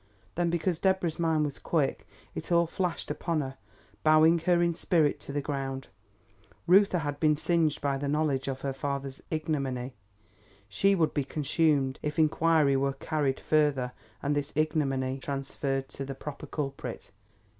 Then because Deborah's mind was quick, it all flashed upon her, bowing her in spirit to the ground. Reuther had been singed by the knowledge of her father's ignominy, she would be consumed if inquiry were carried further and this ignominy transferred to the proper culprit.